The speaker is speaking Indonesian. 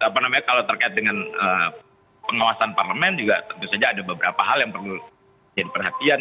apa namanya kalau terkait dengan pengawasan parlemen juga tentu saja ada beberapa hal yang perlu jadi perhatian